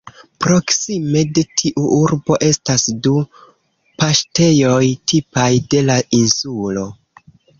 Proksime de tiu urbo estas du paŝtejoj tipaj de la insulo.